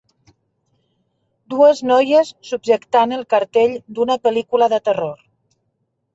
dues noies subjectant el cartell d'una pel·lícula de terror